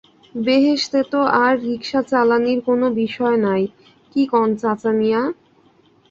বেহেশতে তো আর রিকশা চালানির কোনো বিষয় নাই, কি কন চাচামিয়া?